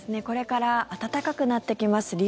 これから暖かくなってきます。